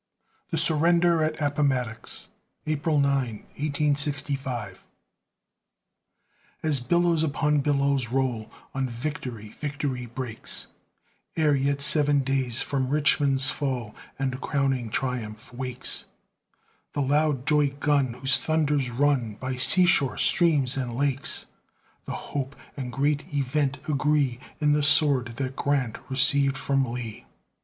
THE SURRENDER AT APPOMATTOX [April 9, 1865] As billows upon billows roll, On victory victory breaks; Ere yet seven days from Richmond's fall And crowning triumph wakes The loud joy gun, whose thunders run By sea shore, streams, and lakes. The hope and great event agree In the sword that Grant received from Lee.